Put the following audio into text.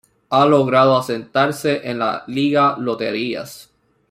Ha logrado asentarse en la Liga Loterías.